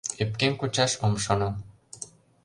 Öпкем кучаш ом шоно.